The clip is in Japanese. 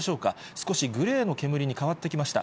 少しグレーの煙に変わってきました。